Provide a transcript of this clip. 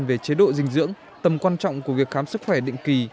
về chế độ dinh dưỡng tầm quan trọng của việc khám sức khỏe định kỳ